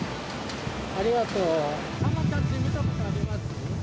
ありがとう。